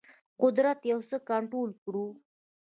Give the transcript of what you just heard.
قدرت یو څه کنټرول کړی وو.